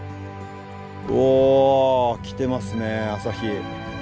お来てますね朝日。